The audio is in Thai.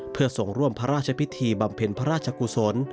เพื่อส่งร่วมพระราชพิธีบำเพ็ญพระราชกุศล